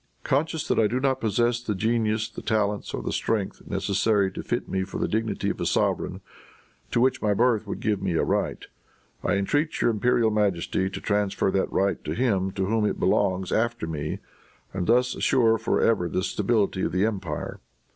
"Conscious that I do not possess the genius, the talents or the strength necessary to fit me for the dignity of a sovereign, to which my birth would give me a right, I entreat your imperial majesty to transfer that right to him to whom it belongs after me, and thus assure for ever the stability of the empire.